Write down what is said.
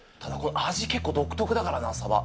味、結構独特だからな、さば。